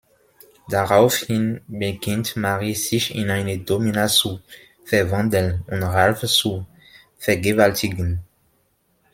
Daraufhin beginnt Mary, sich in eine Domina zu verwandeln und Ralph zu vergewaltigen.